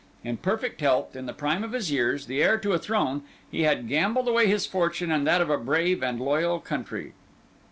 In perfect health, in the prime of his years, the heir to a throne, he had gambled away his future and that of a brave and loyal country.